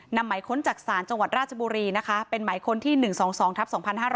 หมายค้นจากศาลจังหวัดราชบุรีนะคะเป็นหมายค้นที่๑๒๒ทับ๒๕๕๙